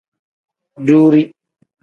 Duuri.